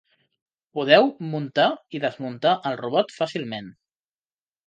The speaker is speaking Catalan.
Podeu muntar i desmuntar el robot fàcilment.